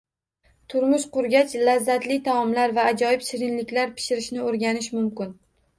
Turmush qurgach, lazzatli taomlar va ajoyib shirinliklar pishirishni o‘rganish mumkin.